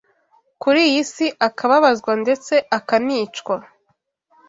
kuri iyi si akababazwa ndetse akanicwa